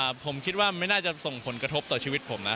ผมคิดว่าไม่น่าจะส่งผลกระทบต่อชีวิตผมนะ